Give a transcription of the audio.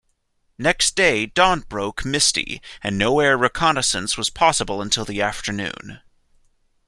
Next day dawn broke misty and no air reconnaissance was possible until the afternoon.